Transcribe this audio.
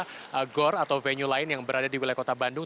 di kedua gork atau venue lain yang berada di wilayah kota bandung